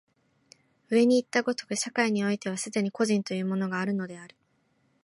上にいった如く、社会においては既に個人というものがあるのである。